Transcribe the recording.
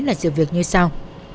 là sự việc như sau